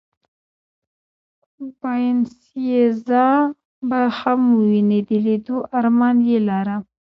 باینیسیزا به هم ووینې، د لېدو ارمان یې لرم.